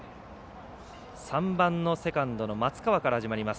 ３番のセカンドの松川から始まります。